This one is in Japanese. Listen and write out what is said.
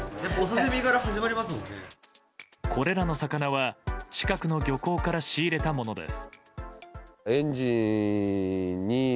これらの魚は近くの漁港から仕入れたものです。